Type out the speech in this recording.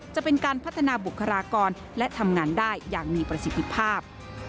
จะเป็นการพัฒนาบุคลากรและทำงานได้อย่างมีประสิทธิภาพ